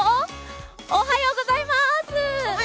おはようございます。